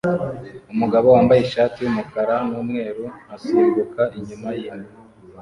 umugabo wambaye ishati yumukara numweru asimbuka inyuma yimbwa